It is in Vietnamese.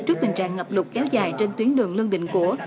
trước tình trạng ngập lụt kéo dài trên tuyến đường lương định của